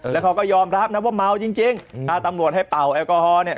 แล้วเขาก็ยอมรับนะว่าเมาจริงถ้าตำรวจให้เป่าแอลกอฮอล์เนี่ย